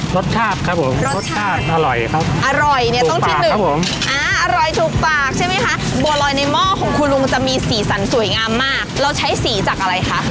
รสชาติครับผมรสชาติอร่อยครับอร่อยเนี่ยต้องที่หนึ่งครับผมอ่าอร่อยถูกปากใช่ไหมคะบัวลอยในหม้อของคุณลุงมันจะมีสีสันสวยงามมากเราใช้สีจากอะไรคะ